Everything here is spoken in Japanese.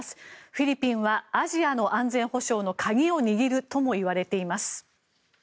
フィリピンはアジアの安全保障の鍵を握るともいわれています。